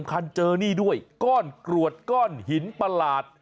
คันเจอนี่ด้วยก้อนกรวดก้อนหินประหลาด